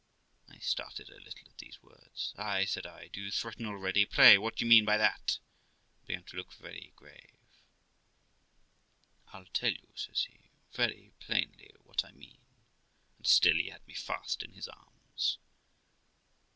I started a little at the words. ' Ay ', said I, ' do you threaten already ? Pray what d'ye mean by that?'; and began to look a little grave. 'I'll tell you', says he, 'very plainly what I mean'; and still he held me fast in his arms.